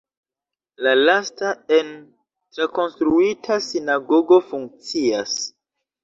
La lasta en trakonstruita sinagogo funkcias.